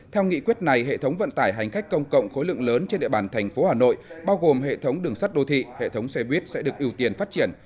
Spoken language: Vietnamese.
theo nghị quyết này hệ thống vận tải hành khách công cộng khối lượng lớn trên địa bàn thành phố hà nội bao gồm hệ thống đường sắt đô thị hệ thống xe buýt sẽ được ưu tiên phát triển